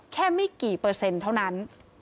ไม่กี่เปอร์เซ็นต์เท่านั้น